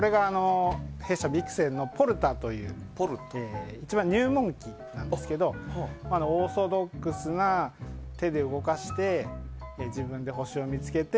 弊社ビクセンのポルタ２一番、入門機なんですがオーソドックスな手で動かして自分で星を見つけて